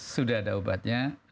sudah ada obatnya